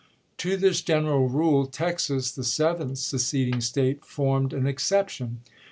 To this general rule Texas, the seventh seceding State, formed an exception.